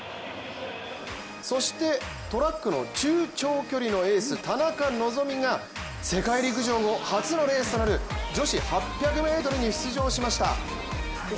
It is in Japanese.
そしてトラックの中長距離のエース・田中希実が世界陸上後、初のレースとなる女子８００ｍに出場しました。